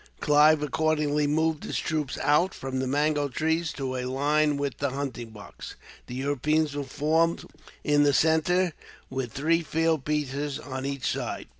Clive accordingly moved his troops out, from the mango trees, to a line with the hunting box. The Europeans were formed in the centre, with three field pieces on each side.